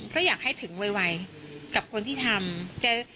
ก็อยากให้ถึงไวกับคนที่ทำ